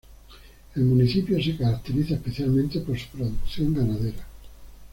El municipio se caracteriza especialmente por su producción ganadera.